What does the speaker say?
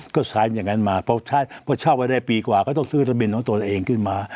ก็ใช้อย่างนั้นมาพอเช่าไว้ได้ปีกว่าก็ต้องซื้อทะเบียนของตัวเองขึ้นมา